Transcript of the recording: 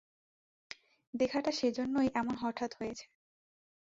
দেখাটা সে-জন্যেই এমন হঠাৎ হয়েছে।